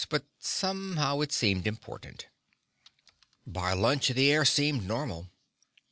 But somehow, it seemed important. By lunch, the air seemed normal.